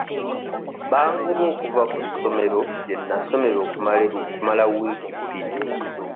Bangoba okuva ku ssomero gye nasomero okumala wiiki bbiri.